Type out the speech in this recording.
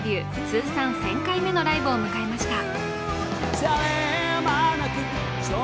通算１０００回目のライブを迎えました。